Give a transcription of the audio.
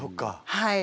はい。